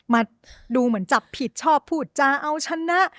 มาดูเหมือนจับผิดชอบพูดจาเอาชนะ